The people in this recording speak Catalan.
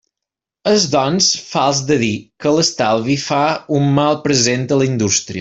És, doncs, fals de dir que l'estalvi fa un mal present a la indústria.